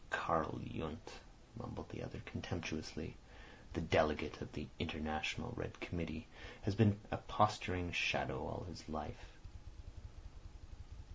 "Karl Yundt," mumbled the other contemptuously, "the delegate of the International Red Committee, has been a posturing shadow all his life.